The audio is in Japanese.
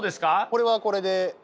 これはこれで。